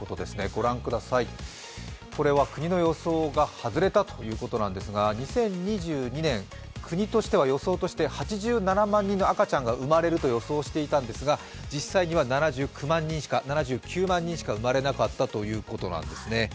ご覧ください、これは国の予想が外れたということなんですが、２０２２年、国としては予想として８７万人の赤ちゃんが生まれると予想していたんですが、実際には７９万人しか生まれなかったということなんですね。